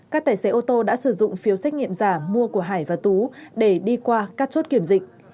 các tài xế ô tô đã sử dụng phiếu xét nghiệm giả mua của hải và tú để đi qua các chốt kiểm dịch